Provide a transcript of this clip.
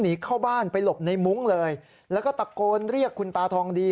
หนีเข้าบ้านไปหลบในมุ้งเลยแล้วก็ตะโกนเรียกคุณตาทองดี